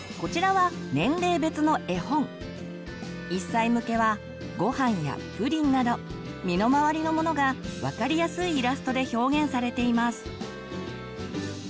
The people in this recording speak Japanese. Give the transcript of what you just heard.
１歳向けは「ごはん」や「プリン」など身の回りのものが分かりやすいイラストで表現されています。